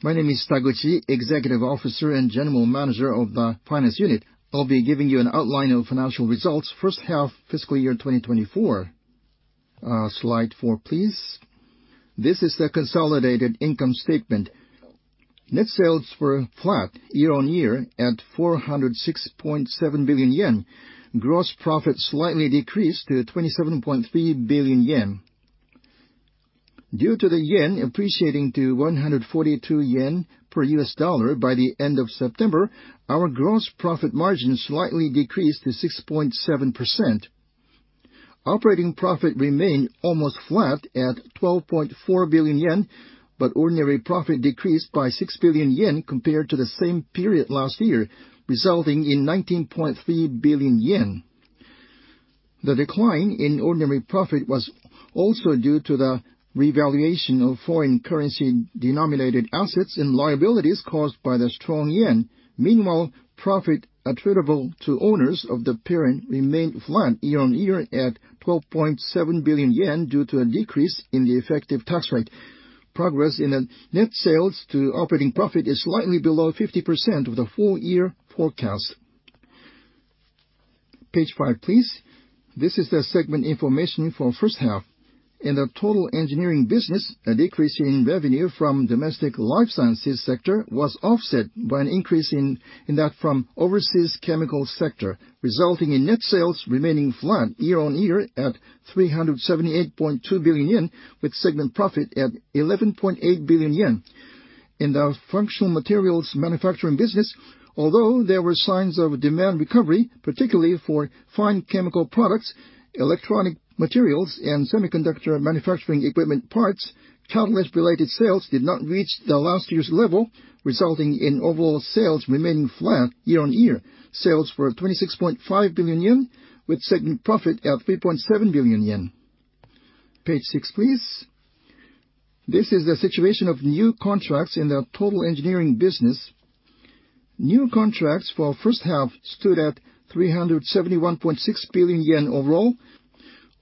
My name is Taguchi, Executive Officer and General Manager of the Finance Unit. I'll be giving you an outline of financial results for fiscal year 2024. Slide four, please. This is the consolidated income statement. Net sales were flat year on year at 406.7 billion yen. Gross profit slightly decreased to 27.3 billion yen. Due to the yen appreciating to 142 yen per $1 by the end of September, our gross profit margin slightly decreased to 6.7%. Operating profit remained almost flat at 12.4 billion yen, but ordinary profit decreased by 6 billion yen compared to the same period last year, resulting in 19.3 billion yen. The decline in ordinary profit was also due to the revaluation of foreign currency-denominated assets and liabilities caused by the strong yen. Meanwhile, profit attributable to owners of the parent remained flat year-on-year at 12.7 billion yen due to a decrease in the effective tax rate. Progress in net sales to operating profit is slightly below 50% of the full-year forecast. Page five, please. This is the segment information for the first half. In the Total Engineering Business, a decrease in revenue from the domestic life sciences sector was offset by an increase in that from the overseas chemical sector, resulting in net sales remaining flat year on year at 378.2 billion yen, with segment profit at 11.8 billion yen. In the Functional Materials Manufacturing Business, although there were signs of demand recovery, particularly for fine chemical products, electronic materials, and semiconductor manufacturing equipment parts, catalyst-related sales did not reach the last year's level, resulting in overall sales remaining flat year-on-year. Sales were 26.5 billion yen, with segment profit at 3.7 billion yen. Page six, please. This is the situation of new contracts in the Total Engineering Business. New contracts for the first half stood at 371.6 billion yen overall.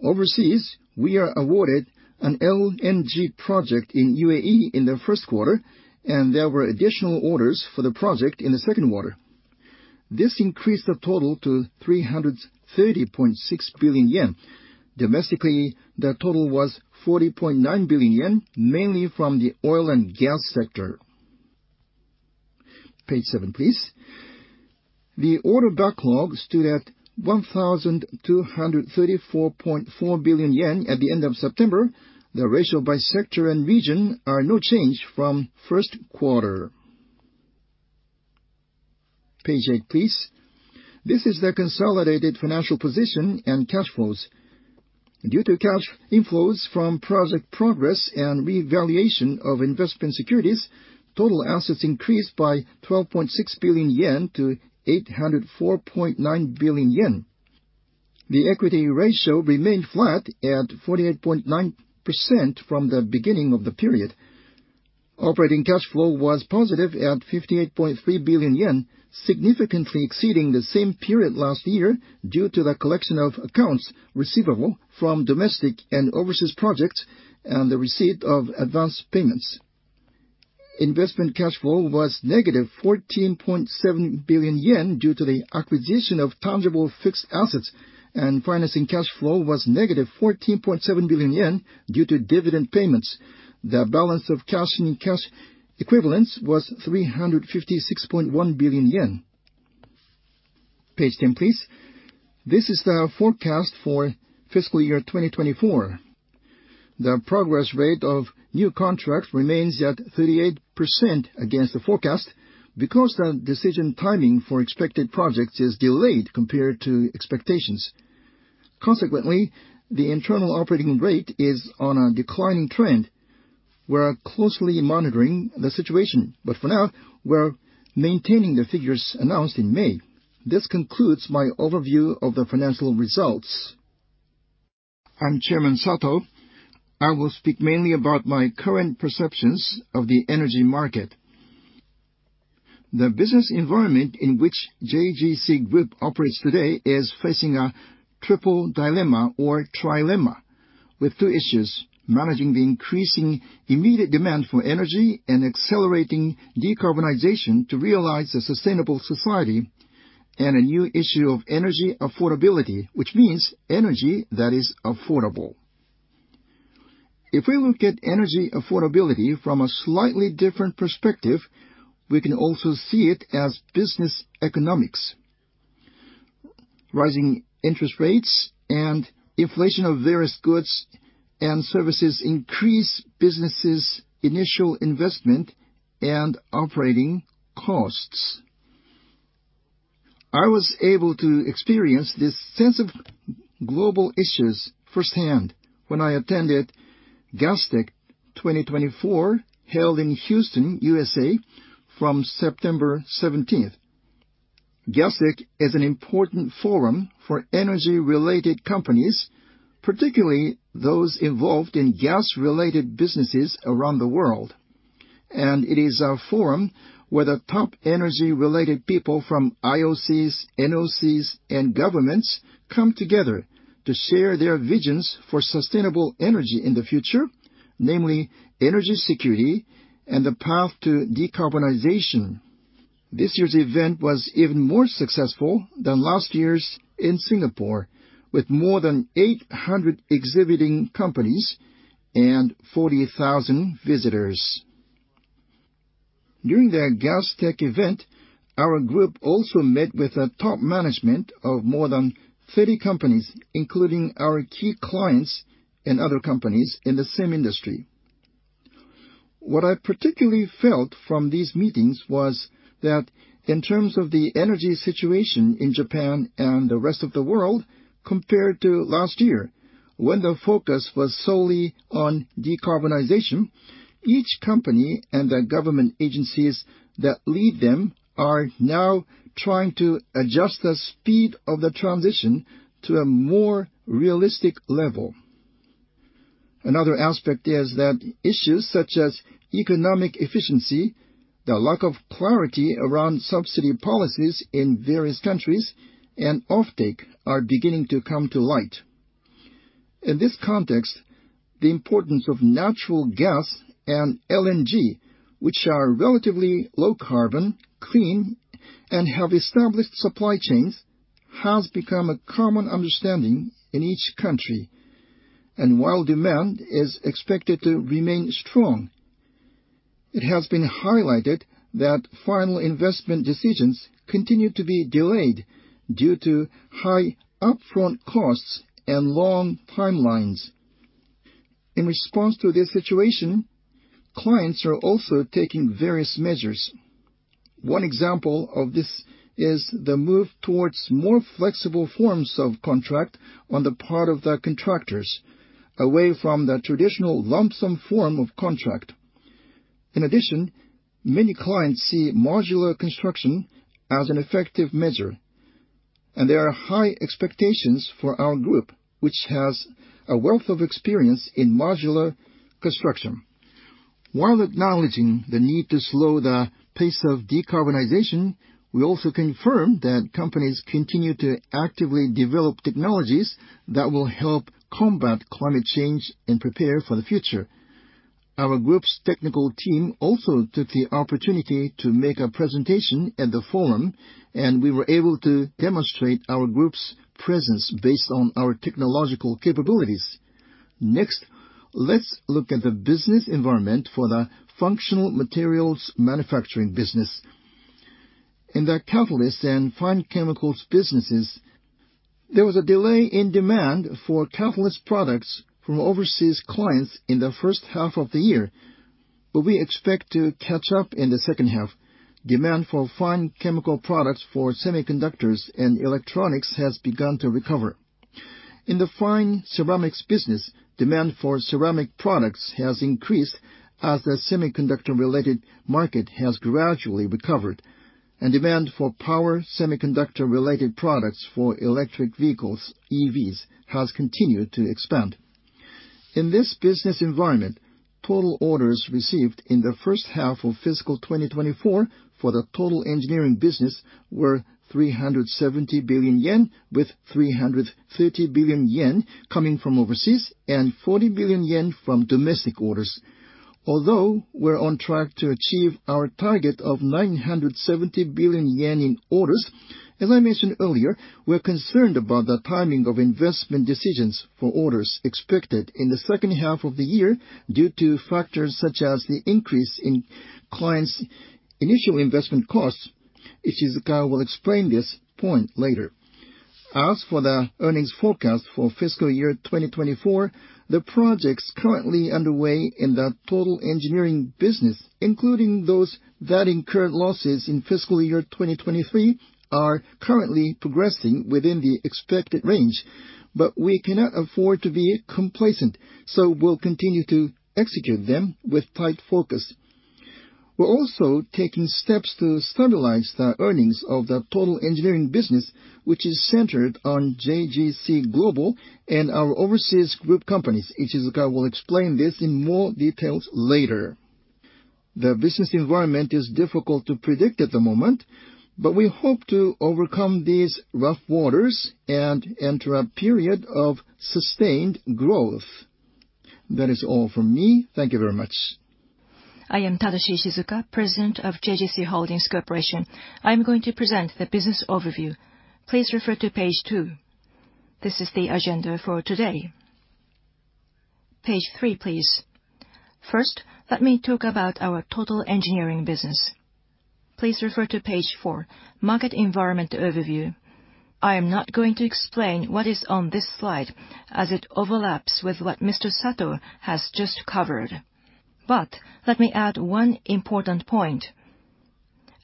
Overseas, we were awarded an LNG project in UAE in the first quarter, and there were additional orders for the project in the second quarter. This increased the total to 330.6 billion yen. Domestically, the total was 40.9 billion yen, mainly from the oil and gas sector. Page seven, please. The order backlog stood at 1,234.4 billion yen at the end of September. The ratio by sector and region is no change from the first quarter. Page eight, please. This is the consolidated financial position and cash flows. Due to cash inflows from project progress and revaluation of investment securities, total assets increased by 12.6 billion yen to 804.9 billion yen. The equity ratio remained flat at 48.9% from the beginning of the period. Operating cash flow was positive at 58.3 billion yen, significantly exceeding the same period last year due to the collection of accounts receivable from domestic and overseas projects and the receipt of advance payments. Investment cash flow was negative 14.7 billion yen due to the acquisition of tangible fixed assets, and financing cash flow was negative 14.7 billion yen due to dividend payments. The balance of cash and cash equivalents was 356.1 billion yen. Page 10, please. This is the forecast for fiscal year 2024. The progress rate of new contracts remains at 38% against the forecast because the decision timing for expected projects is delayed compared to expectations. Consequently, the internal operating rate is on a declining trend. We're closely monitoring the situation, but for now, we're maintaining the figures announced in May. This concludes my overview of the financial results. I'm Chairman Sato. I will speak mainly about my current perceptions of the energy market. The business environment in which JGC Group operates today is facing a triple dilemma or trilemma, with two issues: managing the increasing immediate demand for energy and accelerating decarbonization to realize a sustainable society, and a new issue of energy affordability, which means energy that is affordable. If we look at energy affordability from a slightly different perspective, we can also see it as business economics. Rising interest rates and inflation of various goods and services increase businesses' initial investment and operating costs. I was able to experience this sense of global issues firsthand when I attended Gastech 2024 held in Houston, USA, from September 17th. Gastech is an important forum for energy-related companies, particularly those involved in gas-related businesses around the world. It is a forum where the top energy-related people from IOCs, NOCs, and governments come together to share their visions for sustainable energy in the future, namely energy security and the path to decarbonization. This year's event was even more successful than last year's in Singapore, with more than 800 exhibiting companies and 40,000 visitors. During the Gastech event, our group also met with the top management of more than 30 companies, including our key clients and other companies in the same industry. What I particularly felt from these meetings was that in terms of the energy situation in Japan and the rest of the world, compared to last year, when the focus was solely on decarbonization, each company and the government agencies that lead them are now trying to adjust the speed of the transition to a more realistic level. Another aspect is that issues such as economic efficiency, the lack of clarity around subsidy policies in various countries, and offtake are beginning to come to light. In this context, the importance of natural gas and LNG, which are relatively low-carbon, clean, and have established supply chains, has become a common understanding in each country, and while demand is expected to remain strong, it has been highlighted that final investment decisions continue to be delayed due to high upfront costs and long timelines. In response to this situation, clients are also taking various measures. One example of this is the move towards more flexible forms of contract on the part of the contractors, away from the traditional lump sum form of contract. In addition, many clients see modular construction as an effective measure, and there are high expectations for our group, which has a wealth of experience in modular construction. While acknowledging the need to slow the pace of decarbonization, we also confirm that companies continue to actively develop technologies that will help combat climate change and prepare for the future. Our group's technical team also took the opportunity to make a presentation at the forum, and we were able to demonstrate our group's presence based on our technological capabilities. Next, let's look at the business environment for the Functional Materials Manufacturing Business. In the catalyst and fine chemicals businesses, there was a delay in demand for catalyst products from overseas clients in the first half of the year, but we expect to catch up in the second half. Demand for fine chemical products for semiconductors and electronics has begun to recover. In the fine ceramics business, demand for ceramic products has increased as the semiconductor-related market has gradually recovered, and demand for power semiconductor-related products for electric vehicles, EVs, has continued to expand. In this business environment, total orders received in the first half of fiscal 2024 for the Total Engineering Business were 370 billion yen, with 330 billion yen coming from overseas and 40 billion yen from domestic orders. Although we're on track to achieve our target of 970 billion yen in orders, as I mentioned earlier, we're concerned about the timing of investment decisions for orders expected in the second half of the year due to factors such as the increase in clients' initial investment costs. Ishizuka will explain this point later. As for the earnings forecast for fiscal year 2024, the projects currently underway in the Total Engineering Business, including those that incurred losses in fiscal year 2023, are currently progressing within the expected range, but we cannot afford to be complacent, so we'll continue to execute them with tight focus. We're also taking steps to stabilize the earnings of the Total Engineering Business, which is centered on JGC Global and our overseas group companies. Ishizuka will explain this in more details later. The business environment is difficult to predict at the moment, but we hope to overcome these rough waters and enter a period of sustained growth. That is all from me. Thank you very much. I am Tadashi Ishizuka, President of JGC Holdings Corporation. I'm going to present the business overview. Please refer to page two. This is the agenda for today. Page three, please. First, let me talk about our Total Engineering Business. Please refer to page four, Market Environment Overview. I am not going to explain what is on this slide as it overlaps with what Mr. Sato has just covered, but let me add one important point.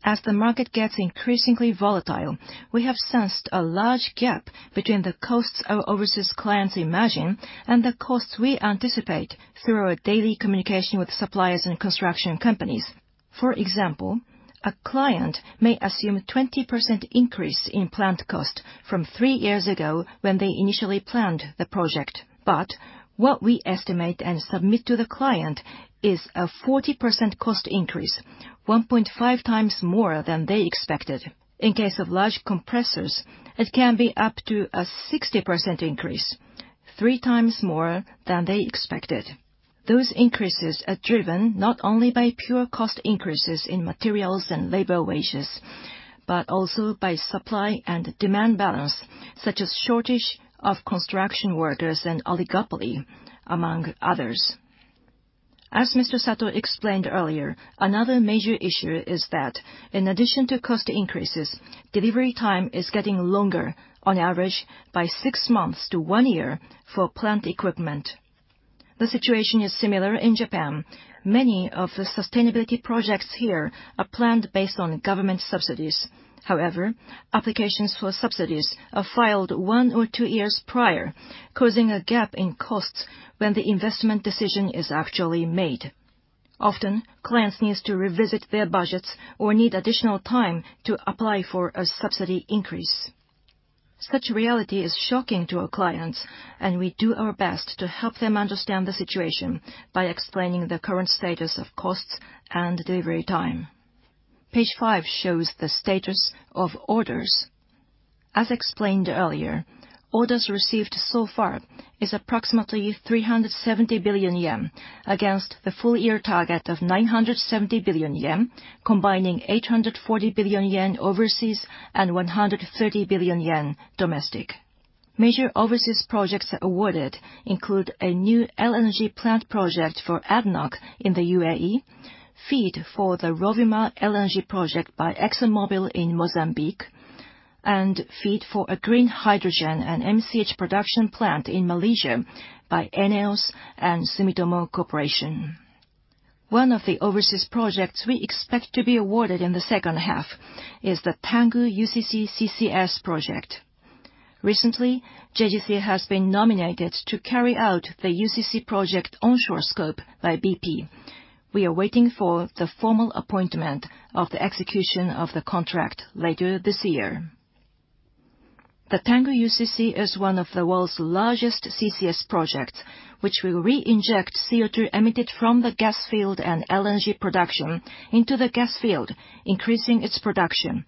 As the market gets increasingly volatile, we have sensed a large gap between the costs our overseas clients imagine and the costs we anticipate through our daily communication with suppliers and construction companies. For example, a client may assume a 20% increase in plant cost from three years ago when they initially planned the project, but what we estimate and submit to the client is a 40% cost increase, 1.5 times more than they expected. In case of large compressors, it can be up to a 60% increase, three times more than they expected. Those increases are driven not only by pure cost increases in materials and labor wages, but also by supply and demand balance, such as shortage of construction workers and oligopoly, among others. As Mr. Sato explained earlier, another major issue is that, in addition to cost increases, delivery time is getting longer, on average, by six months to one year for plant equipment. The situation is similar in Japan. Many of the sustainability projects here are planned based on government subsidies. However, applications for subsidies are filed one or two years prior, causing a gap in costs when the investment decision is actually made. Often, clients need to revisit their budgets or need additional time to apply for a subsidy increase. Such reality is shocking to our clients, and we do our best to help them understand the situation by explaining the current status of costs and delivery time. Page five shows the status of orders. As explained earlier, orders received so far is approximately 370 billion yen against the full-year target of 970 billion yen, combining 840 billion yen overseas and 130 billion yen domestic. Major overseas projects awarded include a new LNG plant project for ADNOC in the UAE, FEED for the Rovuma LNG project by ExxonMobil in Mozambique, and FEED for a green hydrogen and MCH production plant in Malaysia by ENEOS and Sumitomo Corporation. One of the overseas projects we expect to be awarded in the second half is the Tangguh UCC CCS project. Recently, JGC has been nominated to carry out the UCC project onshore scope by BP. We are waiting for the formal appointment of the execution of the contract later this year. The Tangguh UCC is one of the world's largest CCS projects, which will re-inject CO2 emitted from the gas field and LNG production into the gas field, increasing its production.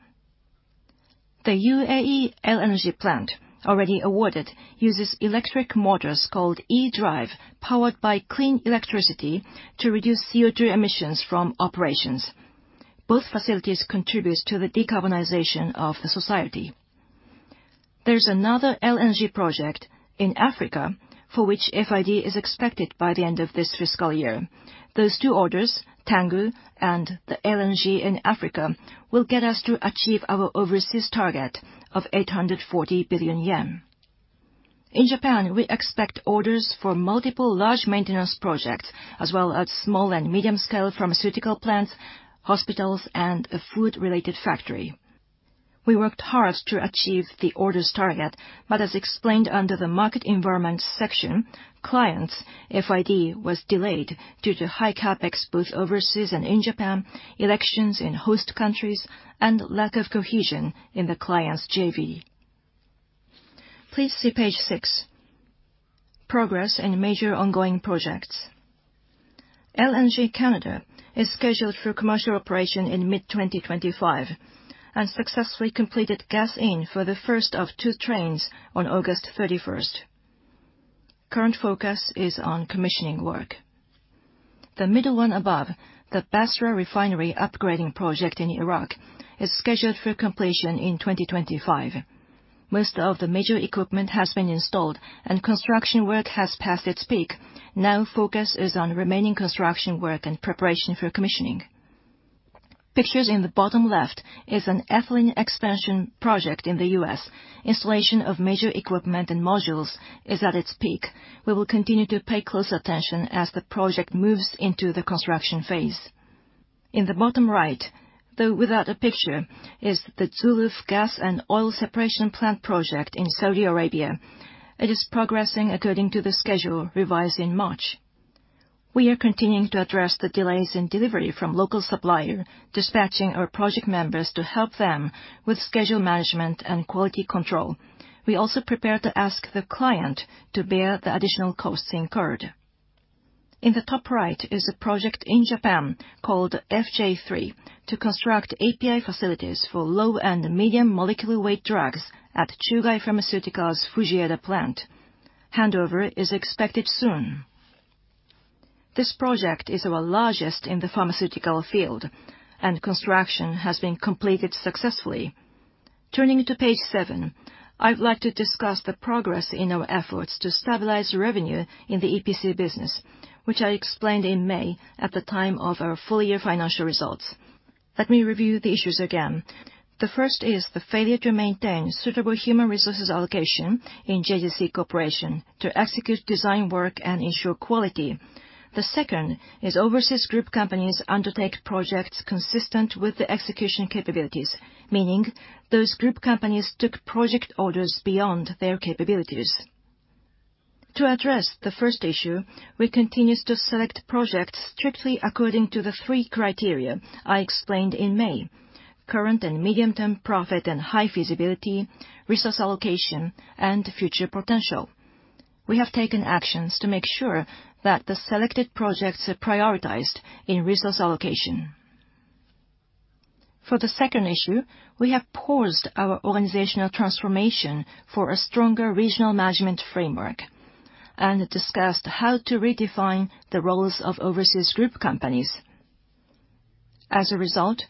The UAE LNG plant, already awarded, uses electric motors called e-drive powered by clean electricity to reduce CO2 emissions from operations. Both facilities contribute to the decarbonization of the society. There's another LNG project in Africa for which FID is expected by the end of this fiscal year. Those two orders, Tangguh and the LNG in Africa, will get us to achieve our overseas target of 840 billion yen. In Japan, we expect orders for multiple large maintenance projects, as well as small and medium-scale pharmaceutical plants, hospitals, and a food-related factory. We worked hard to achieve the orders target, but as explained under the Market Environment section, clients' FID was delayed due to high CapEx both overseas and in Japan, elections in host countries, and lack of cohesion in the client's JV. Please see page six. Progress and major ongoing projects. LNG Canada is scheduled for commercial operation in mid-2025 and successfully completed Gas-In for the first of two trains on August 31st. Current focus is on commissioning work. The middle one above, the Basra Refinery upgrading project in Iraq, is scheduled for completion in 2025. Most of the major equipment has been installed, and construction work has passed its peak. Now focus is on remaining construction work and preparation for commissioning. Pictures in the bottom left is an ethylene expansion project in the U.S. Installation of major equipment and modules is at its peak. We will continue to pay close attention as the project moves into the construction phase. In the bottom right, though without a picture, is the Zuluf Gas and Oil Separation Plant project in Saudi Arabia. It is progressing according to the schedule revised in March. We are continuing to address the delays in delivery from local supplier, dispatching our project members to help them with schedule management and quality control. We also prepared to ask the client to bear the additional costs incurred. In the top right is a project in Japan called FJ3 to construct API facilities for low and medium molecular weight drugs at Chugai Pharmaceutical Fujieda plant. Handover is expected soon. This project is our largest in the pharmaceutical field, and construction has been completed successfully. Turning to page seven, I'd like to discuss the progress in our efforts to stabilize revenue in the EPC business, which I explained in May at the time of our full-year financial results. Let me review the issues again. The first is the failure to maintain suitable human resources allocation in JGC Corporation to execute design work and ensure quality. The second is overseas group companies undertake projects inconsistent with the execution capabilities, meaning those group companies took project orders beyond their capabilities. To address the first issue, we continue to select projects strictly according to the three criteria I explained in May: current and medium-term profit and high feasibility, resource allocation, and future potential. We have taken actions to make sure that the selected projects are prioritized in resource allocation. For the second issue, we have paused our organizational transformation for a stronger regional management framework and discussed how to redefine the roles of overseas group companies. As a result,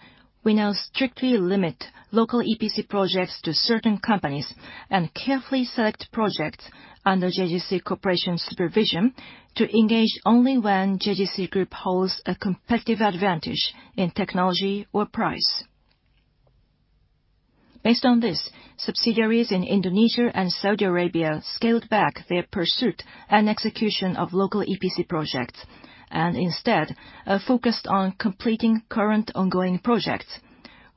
we now strictly limit local EPC projects to certain companies and carefully select projects under JGC Corporation's supervision to engage only when JGC Group holds a competitive advantage in technology or price. Based on this, subsidiaries in Indonesia and Saudi Arabia scaled back their pursuit and execution of local EPC projects and instead are focused on completing current ongoing projects.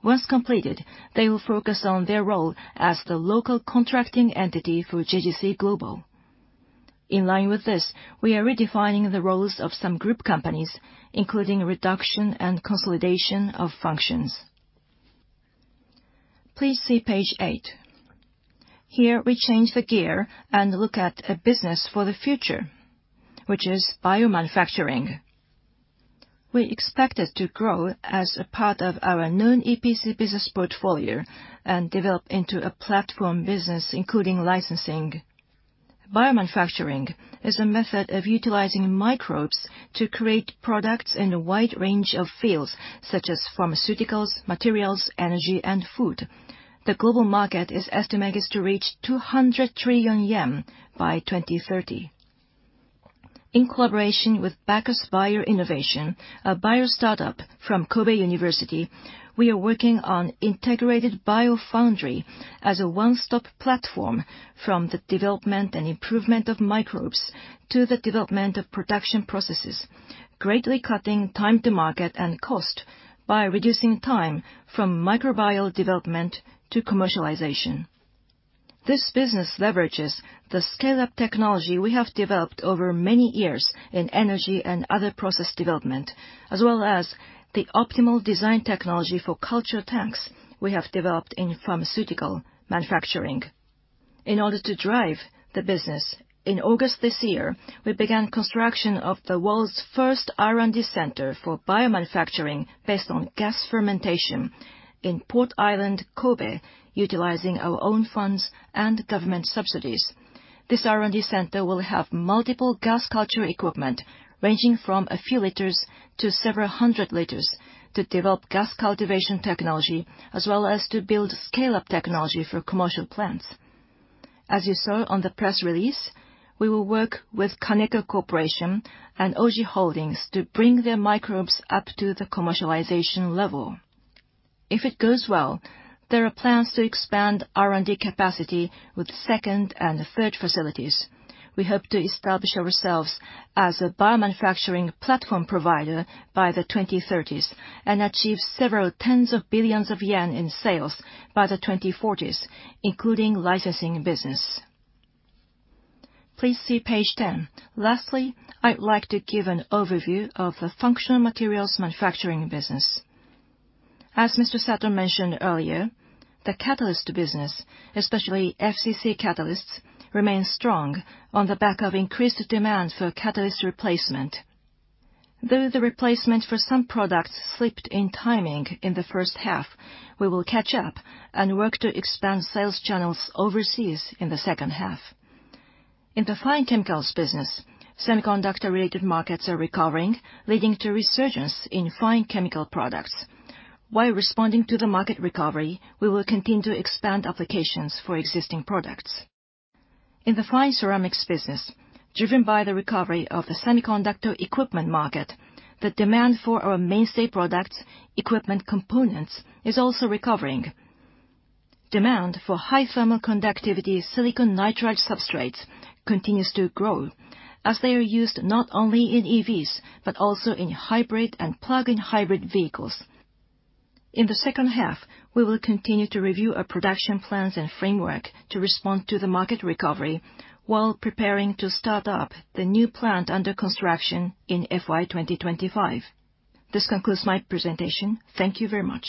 Once completed, they will focus on their role as the local contracting entity for JGC Global. In line with this, we are redefining the roles of some group companies, including reduction and consolidation of functions. Please see page eight. Here, we change the gear and look at a business for the future, which is biomanufacturing. We expect it to grow as a part of our known EPC business portfolio and develop into a platform business, including licensing. Biomanufacturing is a method of utilizing microbes to create products in a wide range of fields such as pharmaceuticals, materials, energy, and food. The global market is estimated to reach 200 trillion yen by 2030. In collaboration with Bacchus Bio Innovation, a bio startup from Kobe University, we are working on integrated biofoundry as a one-stop platform from the development and improvement of microbes to the development of production processes, greatly cutting time to market and cost by reducing time from microbial development to commercialization. This business leverages the scale-up technology we have developed over many years in energy and other process development, as well as the optimal design technology for culture tanks we have developed in pharmaceutical manufacturing. In order to drive the business, in August this year, we began construction of the world's first R&D center for biomanufacturing based on gas fermentation in Port Island, Kobe, utilizing our own funds and government subsidies. This R&D center will have multiple gas culture equipment ranging from a few liters to several hundred liters to develop gas cultivation technology, as well as to build scale-up technology for commercial plants. As you saw on the press release, we will work with Kaneka Corporation and Oji Holdings to bring their microbes up to the commercialization level. If it goes well, there are plans to expand R&D capacity with second and third facilities. We hope to establish ourselves as a biomanufacturing platform provider by the 2030s and achieve several tens of billions of JPY in sales by the 2040s, including licensing business. Please see page 10. Lastly, I'd like to give an overview of the Functional Materials Manufacturing Business. As Mr. Sato mentioned earlier, the catalyst business, especially FCC catalysts, remains strong on the back of increased demand for catalyst replacement. Though the replacement for some products slipped in timing in the first half, we will catch up and work to expand sales channels overseas in the second half. In the fine chemicals business, semiconductor-related markets are recovering, leading to resurgence in fine chemical products. While responding to the market recovery, we will continue to expand applications for existing products. In the fine ceramics business, driven by the recovery of the semiconductor equipment market, the demand for our mainstay products, equipment components, is also recovering. Demand for high thermal conductivity silicon nitride substrates continues to grow as they are used not only in EVs but also in hybrid and plug-in hybrid vehicles. In the second half, we will continue to review our production plans and framework to respond to the market recovery while preparing to start up the new plant under construction in FY 2025. This concludes my presentation. Thank you very much.